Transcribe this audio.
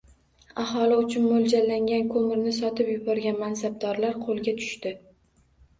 Aholi uchun mo‘ljallangan ko‘mirni sotib yuborgan mansabdorlar qo‘lga tushdi